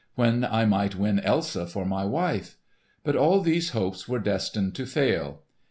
—when I might win Elsa for my wife. But all these hopes were destined to fail.